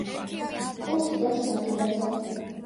პულტი დევს მაგიდაზე